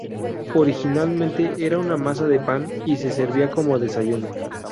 Originalmente era una masa de pan y se servía como desayuno.